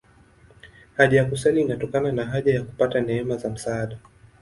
Haja ya kusali inatokana na haja ya kupata neema za msaada.